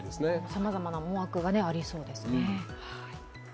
さまざまな思惑がありそうですね。